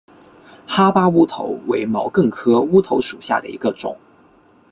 哈巴乌头为毛茛科乌头属下的一个种。